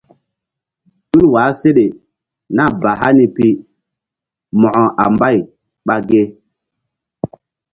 Tul wah seɗe nah ba hani pi mo̧ko a mbay ɓa ge?